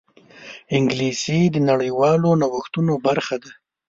انګلیسي د نړیوالو نوښتونو برخه ده